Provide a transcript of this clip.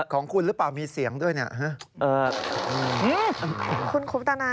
ของคุณหรือเปล่ามีเสียงด้วยเนี่ยฮะ